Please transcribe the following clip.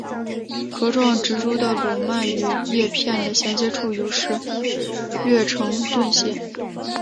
茁壮植株的笼蔓与叶片的衔接处有时略呈盾形。